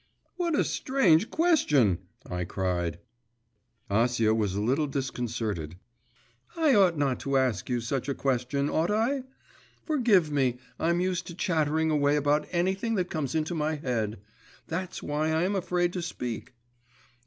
'What a strange question!' I cried. Acia was a little disconcerted. 'I ought not to ask you such a question, ought I? Forgive me, I'm used to chattering away about anything that comes into my head. That's why I'm afraid to speak.